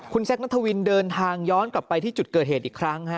คุณแซคนัทวินเดินทางย้อนกลับไปที่จุดเกิดเหตุอีกครั้งฮะ